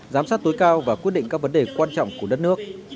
giám sát tối cao và quyết định các vấn đề quan trọng của đất nước